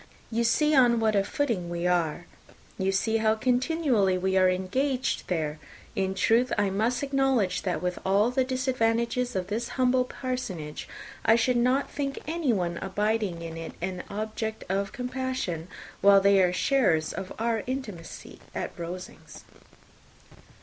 You see on what a footing we are. You see how continually we are engaged there. In truth, I must acknowledge, that, with all the disadvantages of this humble parsonage, I should not think anyone abiding in it an object of compassion, while they are sharers of our intimacy at Rosings."